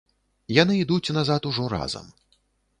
Яны ідуць назад ужо разам.